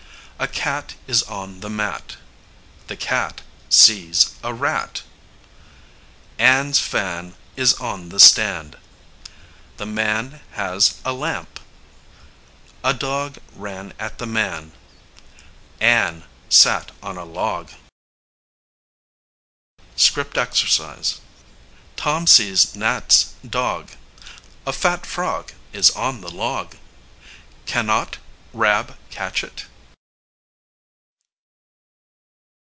A cat is on the mat; the cat sees a rat. Ann's fan is on the stand. The man has a lamp. A dog ran at the man. Ann sat on a log. [Illustration: Script exercise: Tom sees Nat's dog. A fat frog is on the log. Can not Rab catch it?